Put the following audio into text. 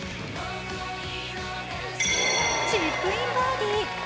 チップインバーディー！